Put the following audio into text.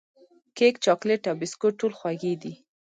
کیک، چاکلېټ او بسکوټ ټول خوږې دي.